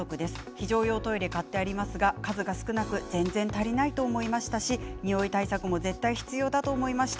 非常用トイレ買ってありますが数が少なく全然足りないと思いましたしにおい対策も絶対必要だと思いました。